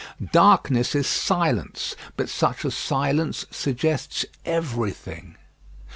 Darkness is silence, but such a silence suggests everything.